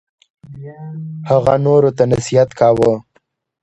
هغه نورو ته نصیحت کاوه.